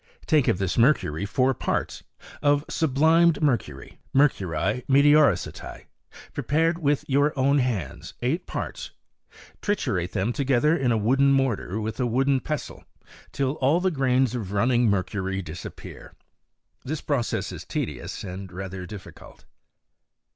Take of this mercury four parts; of sublimed mercury* {mercuHi meteoresati), prepared with your own hands, eight parts; triturate them together in a wooden mortar with a wooden pestle, till all the grains of running mercury disappear. This process is tedious and rather difficult.